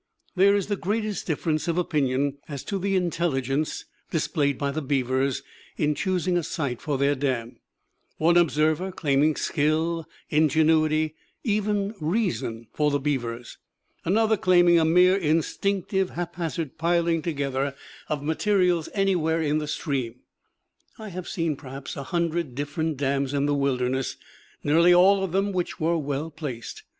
There is the greatest difference of opinion as to the intelligence displayed by the beavers in choosing a site for their dam, one observer claiming skill, ingenuity, even reason for the beavers; another claiming a mere instinctive haphazard piling together of materials anywhere in the stream. I have seen perhaps a hundred different dams in the wilderness, nearly all of which were well placed.